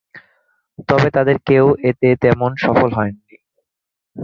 তবে তাদের কেউ এতে তেমন সফল হননি।